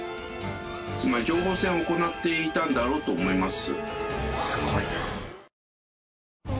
つまり情報戦を行っていたんだろうと思います。